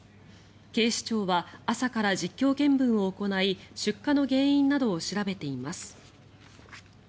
警視庁は朝から実況見分を行い出火の原因などを調べています。